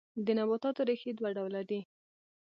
د نباتاتو ریښې دوه ډوله دي